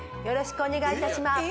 よろしくお願いいたしま